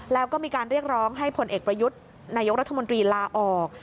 แล้วก็มีการเรียกร้องให้ผลเอกประยุทธ์นายกรัฐมนตรีลาออก